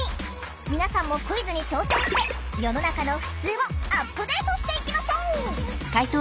皆さんもクイズに挑戦して世の中の「ふつう」をアップデートしていきましょう！